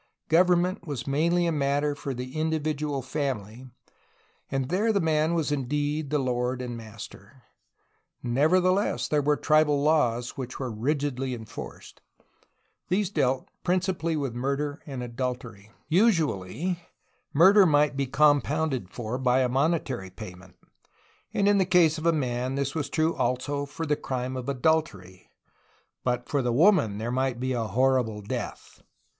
Government was mainly a matter for the individual family, and there the man was indeed the lord and master. Nevertheless, there were tribal laws, which were rigidly enforced. These dealt principally with murder and adultery. Usually, murder might be compounded for by a money payment, and in the case of the man this was true also for the crime of adultery, 18 A HISTORY OF CALIFORNIA but for the woman there might be a horrible death.